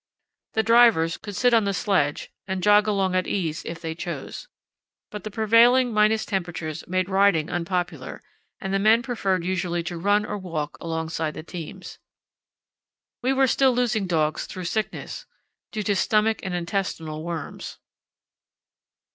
The drivers could sit on the sledge and jog along at ease if they chose. But the prevailing minus temperatures made riding unpopular, and the men preferred usually to run or walk alongside the teams. We were still losing dogs through sickness, due to stomach and intestinal worms.